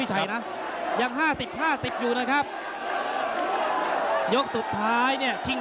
ตอนนี้มันถึง๓